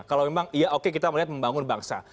kalau memang ya oke kita melihat membangun bangsa